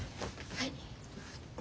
はい。